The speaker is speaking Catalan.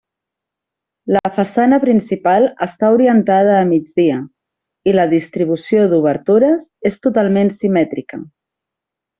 La façana principal està orientada a migdia i la distribució d'obertures és totalment simètrica.